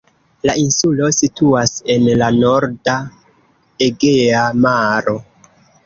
La insulo situas en la norda Egea Maro.